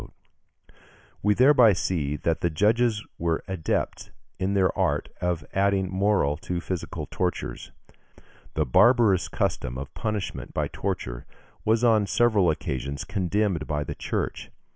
We thereby see that the judges were adepts in the art of adding moral to physical tortures. The barbarous custom of punishment by torture was on several occasions condemned by the Church.